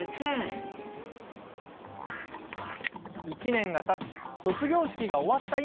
１年がたち卒業式が終わった